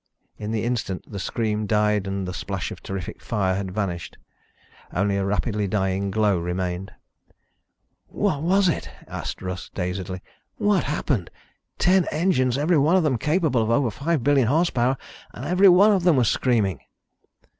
In the instant the scream died and the splash of terrific fire had vanished. Only a rapidly dying glow remained. "What was it?" asked Russ dazedly. "What happened? Ten engines every one of them capable of over five billion horsepower and every one of them screaming!"